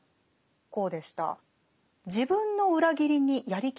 こうでした。